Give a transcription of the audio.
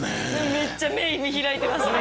めっちゃ目見開いてますね。